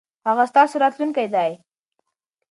هغه ستاسو راتلونکی دی.